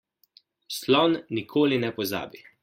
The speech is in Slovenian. Slon nikoli ne pozabi.